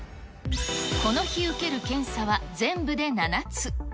この日受ける検査は全部で７つ。